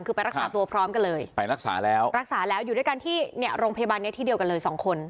คือไปรักษาตัวพร้อมกันเลยไปรักษาแล้วรักษาแล้วอยู่ด้วยกันที่เนี่ยโรงพยาบาลนี้ที่เดียวกันเลยสองคน